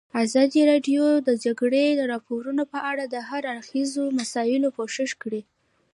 ازادي راډیو د د جګړې راپورونه په اړه د هر اړخیزو مسایلو پوښښ کړی.